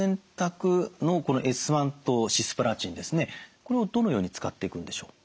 これをどのように使っていくんでしょう？